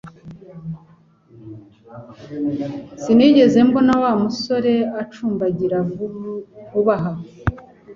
Sinigeze mbona Wa musore acumbagira vuba aha